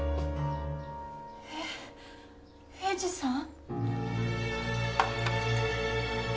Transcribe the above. えっ栄治さん？